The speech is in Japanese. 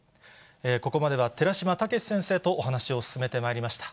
ここまでは寺嶋毅先生とお話を進めてまいりました。